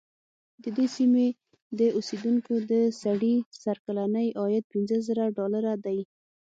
د دې سیمې د اوسېدونکو د سړي سر کلنی عاید پنځه زره ډالره دی.